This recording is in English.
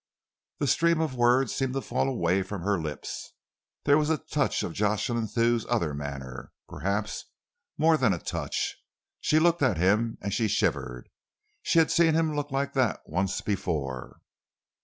The stream of words seemed to fall away from her lips. There was a touch of Jocelyn Thew's other manner perhaps more than a touch. She looked at him and she shivered. She had seen him look like that once before.